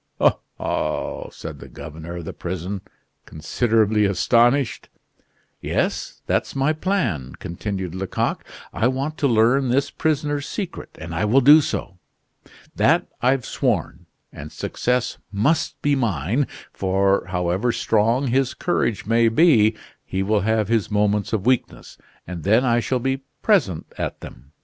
"Oh, ho!" said the governor of the prison, considerably astonished. "Yes; that's my plan," continued Lecoq. "I want to learn this prisoner's secret; and I will do so. That I've sworn; and success must be mine, for, however strong his courage may be, he will have his moments of weakness, and then I shall be present at them.